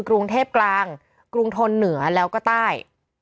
กรุงเทพกลางกรุงทนเหนือแล้วก็ใต้